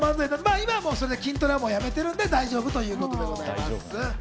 今は筋トレをやめてるんで大丈夫ということでございます。